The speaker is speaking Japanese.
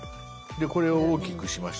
これを大きくしました。